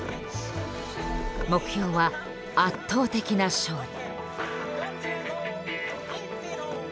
目標は圧倒的な勝利。